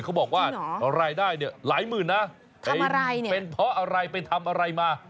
เขาบอกว่ารายได้เนี่ยหลายหมื่นนะเป็นเพราะอะไรไปทำอะไรมา